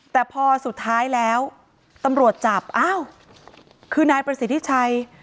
แต่พอสุดท้ายแล้วตำรวจจับอ้าวคือนายประสิทธิชัย